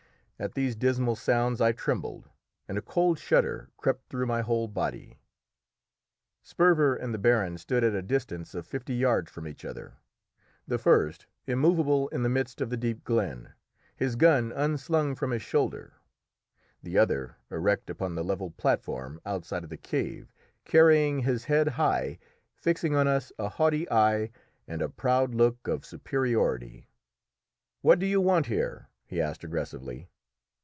At these dismal sounds I trembled, and a cold shudder crept through my whole body. Sperver and the baron stood at a distance of fifty yards from each other; the first immovable in the midst of the deep glen, his gun unslung from his shoulder, the other erect upon the level platform outside of the cave, carrying his head high, fixing on us a haughty eye and a proud look of superiority. "What do you want here?" he asked aggressively.